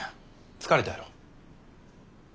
疲れたやろ。